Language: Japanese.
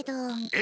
え？